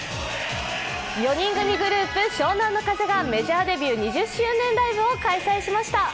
４人組グループ、湘南乃風がメジャーデビュー２０周年ライブを開催しました。